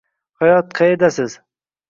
- Hayotim, qayerdasiz?